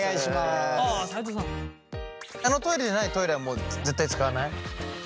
あのトイレじゃないトイレはもう絶対使わない？